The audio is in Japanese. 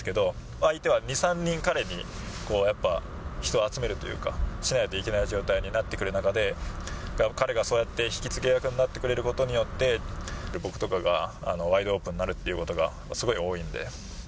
相手は２、３人、彼にやっぱ、人集めるというか、しないといけない状態になってくる中で、彼がそうやって引きつけ役になってくれることによって僕とかがワイドオープンになるっていうことがすごい多いんで。